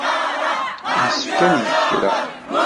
Yessefk ad neg kra.